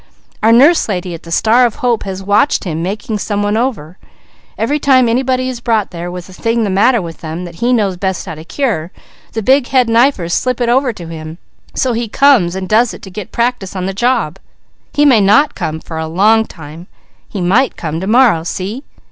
Our Nurse Lady at the 'Star of Hope' has watched him making some one over. Every time anybody is brought there with a thing the matter with them, that he knows best how to cure, the big head knifers slip it over to him, so he comes and does it to get practice on the job. He may not come for a long time; he might come to morrow. See?"